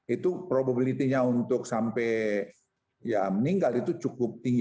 itu probabilitinya untuk sampai ya meninggal itu cukup tinggi